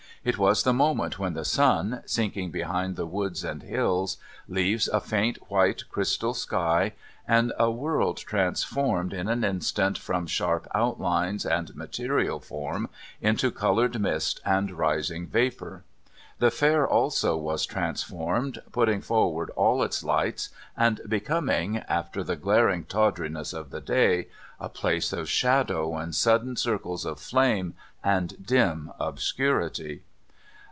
It was the moment when the sun, sinking behind the woods and hills, leaves a faint white crystal sky and a world transformed in an instant from sharp outlines and material form into coloured mist and rising vapour. The Fair also was transformed, putting forward all its lights and becoming, after the glaring tawdiness of the day, a place of shadow and sudden circles of flame and dim obscurity.